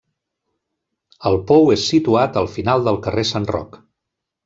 El pou és situat al final del carrer Sant Roc.